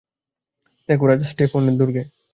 দেখো, রাজা স্টেফানের দূর্গে।